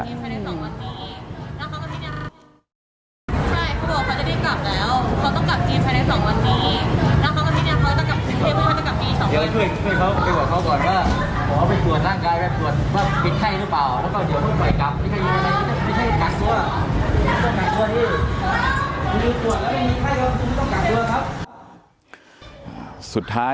แล้วใครร่าดควรกลับปิดไข้รือเปล่า